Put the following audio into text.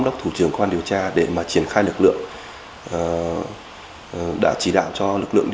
độ tuổi tầm khoảng từ hai mươi đến ba mươi tuổi